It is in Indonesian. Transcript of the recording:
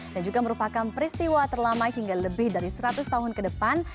dan juga merupakan peristiwa terlama hingga lebih dari seratus tahun ke depan